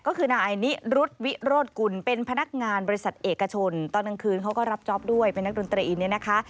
ก็คือนายนิรุธวิโรธกุลเป็นพนักงานบริษัทเอกชนตอนกลางคืนเขาก็รับจ๊อปด้วยเป็นนักดนตรีอินเนี่ยนะคะ